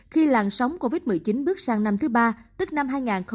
khi làn sóng covid một mươi chín bước sang năm thứ ba tức năm hai nghìn hai mươi